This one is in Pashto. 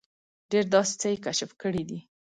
ډېر داسې څه یې کشف کړي دي.